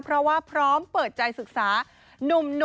เพราะว่าพร้อมเปิดใจศึกษานุ่ม